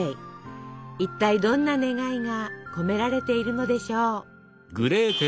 一体どんな願いが込められているのでしょう。